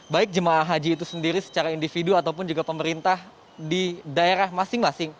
baik jemaah haji itu sendiri secara individu ataupun juga pemerintah di daerah masing masing